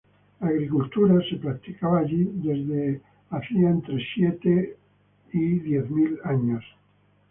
La agricultura se practicó allí desde hace siete a diez mil años.